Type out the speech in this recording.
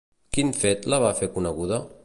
Quin fet la va fer coneguda?